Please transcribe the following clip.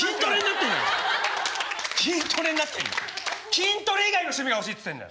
筋トレ以外の趣味が欲しいっつってんだよ。